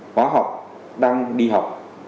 hóa học đang đi học